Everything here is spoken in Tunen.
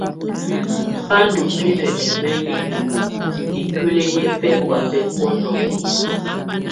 Bá ndù binǝ ɛmɛŋɛ hiwǝ ikuili yɛ bɛkɔ̀á bɛ bunɔŋɔ.